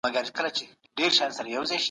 مثبت ذهن تاسو له شکونو ژغوري.